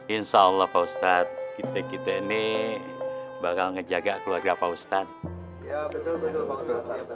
insya allah pak ustadz kita kita ini bakal ngejaga keluarga pak ustadz